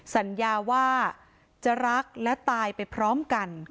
สัญญาว่าจะรักและตายไปพร้อมกัน